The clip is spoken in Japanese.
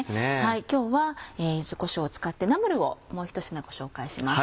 今日は柚子こしょうを使ってナムルをもう１品ご紹介します。